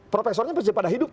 profesornya persis pada hidup